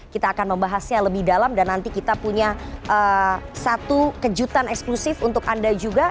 kita akan membahasnya lebih dalam dan nanti kita punya satu kejutan eksklusif untuk anda juga